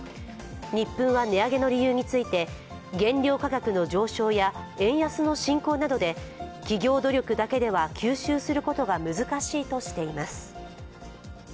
ニップンは値上げの理由について原料価格の上昇や円安の進行などで、企業努力だけでは吸収することが難しいとしています。